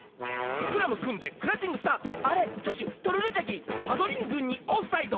「スクラムくんでクラウチングスタート」「アレトゥシュトルリョチャギパドリングにオフサイド」